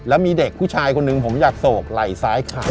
แล้วมีเด็กผู้ชายคนหนึ่งผมอยากโศกไหล่ซ้ายขาด